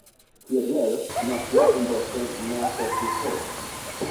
Fiedler nació en Boston, Massachusetts.